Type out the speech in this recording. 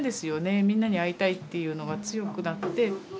みんなに会いたいっていうのが強くなって。